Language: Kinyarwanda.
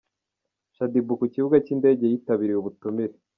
Shaddy Boo ku kibuga cy’indege yitabiriye ubutumire